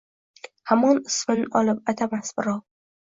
Hamon ismin olib atamas birov.